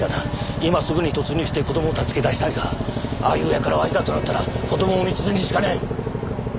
今すぐに突入して子供を助け出したいがああいう輩はいざとなったら子供を道連れにしかねん。